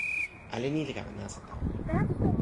ale ni li kama nasa tawa mi.